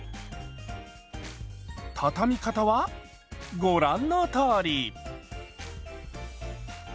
たたみ方はご覧のとおり。